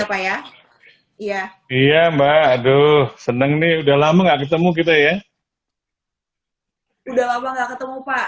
apa ya iya iya mbak aduh seneng nih udah lama nggak ketemu kita ya udah lama nggak ketemu pak